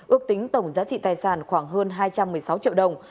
ước tính tổng giá trị tài sản khoảng hơn hai trăm một mươi sáu triệu đồng